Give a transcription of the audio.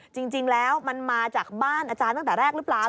จริงแล้วมันมาจากบ้านอาจารย์ตั้งแต่แรกหรือเปล่า